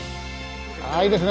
ああいいですね。